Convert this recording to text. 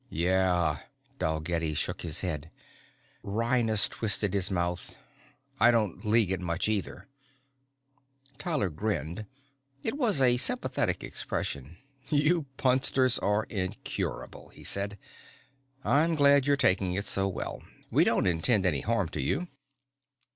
"Yeah." Dalgetty shook his head. Wryness twisted his mouth. "I don't league it much either." Tyler grinned. It was a sympathetic expression. "You punsters are incurable," he said. "I'm glad you're taking it so well. We don't intend any harm to you."